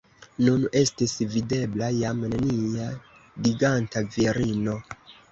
Nun estis videbla jam nenia giganta virino.